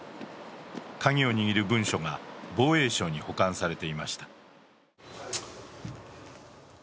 カギを握る文書が防衛省に保管されていました